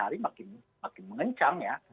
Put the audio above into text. hari makin mengencang ya